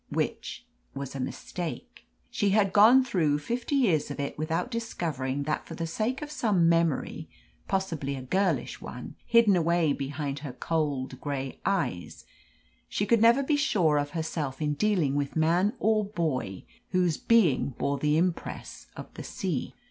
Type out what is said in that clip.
Which was a mistake. She had gone through fifty years of it without discovering that for the sake of some memory possibly a girlish one hidden away behind her cold grey eyes, she could never be sure of herself in dealing with man or boy whose being bore the impress of the sea.